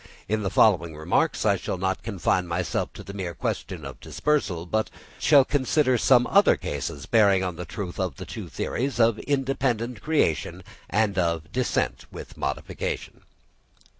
In the following remarks I shall not confine myself to the mere question of dispersal, but shall consider some other cases bearing on the truth of the two theories of independent creation and of descent with modification.